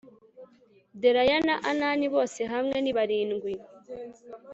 Delaya na Anani bose hamwe ni barindwi